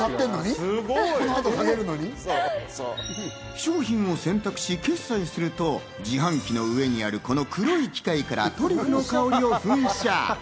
商品を選択し、決済すると自販機の上にある、この黒い機械からトリュフの香りを噴射。